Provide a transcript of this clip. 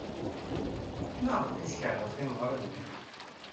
Maɣef ay tkeṛhed timeɣriwin?